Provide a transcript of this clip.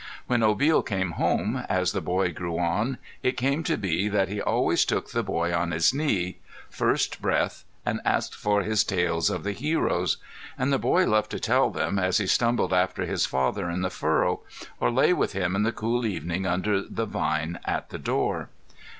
When Obil came home, as the boy grew on, it came to be that he always took the boy on his knee, first breath, and asked for his tales of the heroes. And the boy loved to tell them as he stumbled after his father in the furrow, or lay with him in the cool evening under the vine at the door.